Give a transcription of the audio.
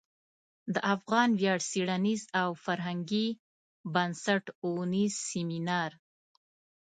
د افغان ویاړ څیړنیز او فرهنګي بنسټ او نیز سمینار